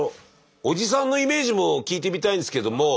おじさんのイメージも聞いてみたいんですけども。